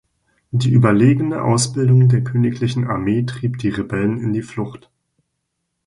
Die überlegene Ausbildung der königlichen Armee trieb die Rebellen in die Flucht.